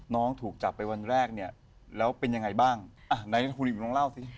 น้องถูกจับไปวันแรกเนี่ยแล้วเป็นยังไงบ้างอ่ะไหนคุณอีกคุณต้องเล่าสิ